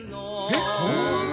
えっ。